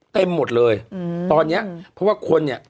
เต็มหมดเลยอืมตอนเนี้ยเพราะว่าคนเนี่ย